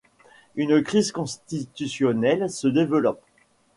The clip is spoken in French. Une crise constitutionnelle se développe.